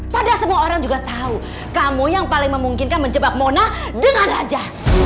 padahal semua orang juga tahu kamu yang paling memungkinkan menjebak mona dengan raja